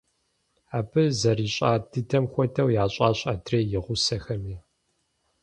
Абы зэрищӀа дыдэм хуэдэу ящӀащ адрей и гъусэхэми.